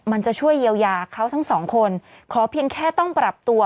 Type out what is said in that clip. มันจะช่วยเยียวยาเขาทั้งสองคนขอเพียงแค่ต้องปรับตัว